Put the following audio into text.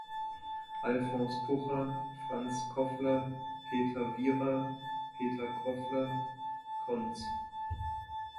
Alfons Pucher, Franz Kofler, Peter Wierer, Peter Kofler, Cons.